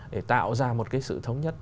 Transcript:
để tạo ra một cái sự thống nhất